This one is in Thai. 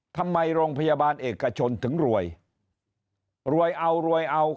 ทำไมโรงพยาบาลเอกชนถึงรวยรวยเอารวยเอา